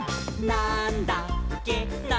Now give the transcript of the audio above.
なんだっけ？！」